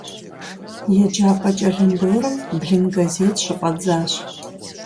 Еджапӏэ кӏэлындорым блын газет щыфӏэдзащ.